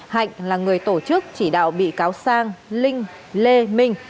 hạnh là người tổ chức chỉ đạo bị cáo sang linh lê minh